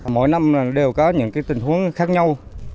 mỗi năm đều có những tình huống khác nhau